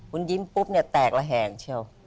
คุณยิ้มปุ๊บเนี่ยแตกระแหงเชียว